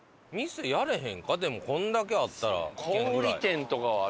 でもこんだけあったら。